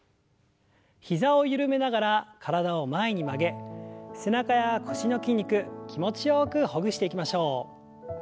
膝を緩めながら体を前に曲げ背中や腰の筋肉気持ちよくほぐしていきましょう。